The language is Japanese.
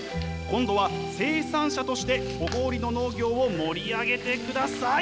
今度は生産者として小郡の農業を盛り上げてください。